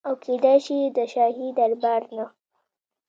او کيدی شي چي د شاهي دربار نه